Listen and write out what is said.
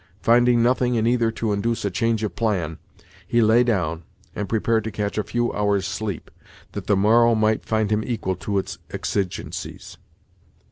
Finding nothing in either to induce a change of plan, he lay down, and prepared to catch a few hours' sleep, that the morrow might find him equal to its exigencies.